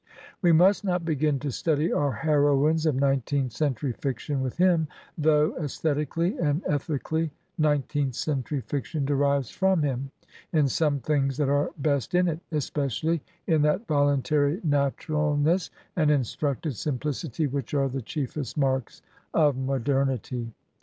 We must not begin to study our heroines of nineteenth century fiction with him, though, aesthetically and ethically, nineteenth century fiction derives from him in some things that are best in it, especially in that voluntary naturalness and instructed simplicity which are the chiefest marks of modernity.